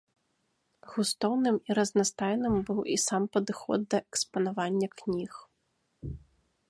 Густоўным і разнастайным быў і сам падыход да экспанавання кніг.